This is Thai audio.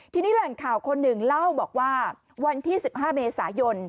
ทีนี้แหล่งข่าวคนหนึ่งเล่าบอกว่าวันที่๑๕เมษายน